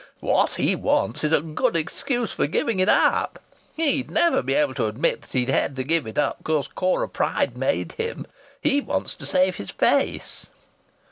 What he wants is a good excuse for giving it up. He'd never be able to admit that he'd had to give it up because Cora Pryde made him! He wants to save his face."